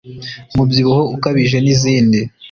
umubyibuho ukabije n'izindi